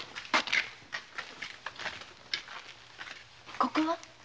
ここは？